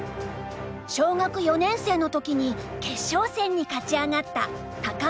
小学４年生の時に決勝戦に勝ち上がった高尾紳路さん。